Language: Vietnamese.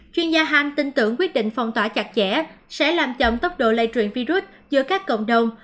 chuyên gia hang tin tưởng quyết định phong tỏa chặt chẽ sẽ làm chậm tốc độ lây truyền virus giữa các cộng đồng